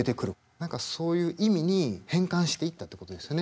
何かそういう意味に変換していったってことですよね